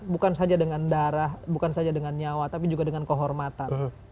bukan saja dengan darah bukan saja dengan nyawa tapi juga dengan kehormatan